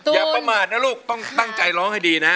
อย่าประมาทนะลูกต้องตั้งใจร้องให้ดีนะ